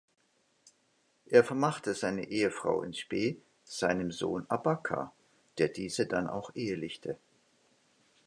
Er vermachte seine Ehefrau in spe seinem Sohn Abaqa, der diese dann auch ehelichte.